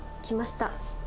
来ました。